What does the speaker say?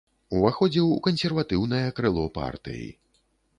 Уваходзіў у кансерватыўнае крыло партыі.